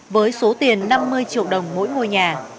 với số tiền năm mươi triệu đồng mỗi ngôi nhà